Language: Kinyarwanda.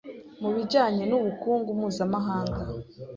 mu bijyanye n’ubukungu mpuzamahanga.